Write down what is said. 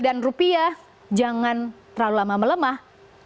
dan rupiah jangan terlalu lama melemah